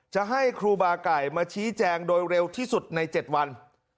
จะให้ครูบาไก่มาชี้แจงโดยเร็วที่สุดใน๗วัน